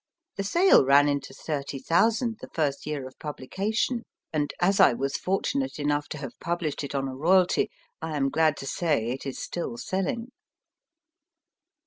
The sale ran into thirty thou THE SNUGGERY sand the first year of publica tion, and as I was fortunate enough to have published it on a royalty, I am glad to say it is still selling.